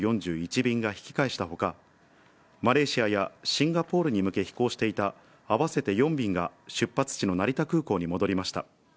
便が引き返したほか、マレーシアやシンガポールに向け飛行していた合わせて４便が、出発地の成田空港に戻りました。